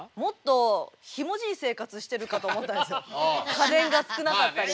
家電が少なかったりね。